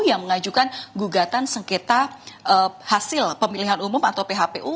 yang mengajukan gugatan sengketa hasil pemilihan umum atau phpu